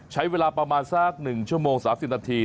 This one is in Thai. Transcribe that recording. ใช้เวลาประมาณสัก๑ชั่วโมง๓๐นาที